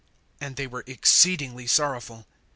And they were exceedingly sorrowful.